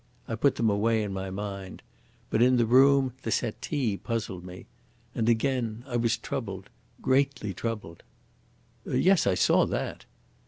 I put them away in my mind. But in the room the settee puzzled me. And again I was troubled greatly troubled." "Yes, I saw that."